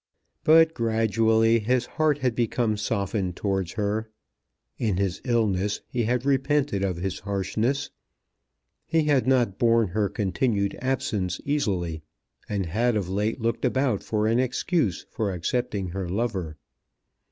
But gradually his heart had become softened towards her; in his illness he had repented of his harshness; he had not borne her continued absence easily, and had of late looked about for an excuse for accepting her lover.